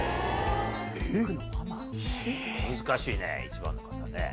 難しいね１番の方ね。